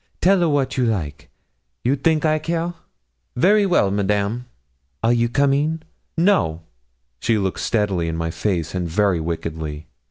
Tell a wat you like you think I care?' 'Very well, Madame.' 'Are a you coming?' 'No.' She looked steadily in my face and very wickedly.